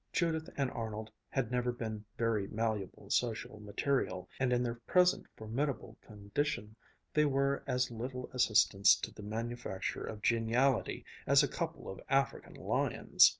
Judith and Arnold had never been very malleable social material, and in their present formidable condition they were as little assistance in the manufacture of geniality as a couple of African lions.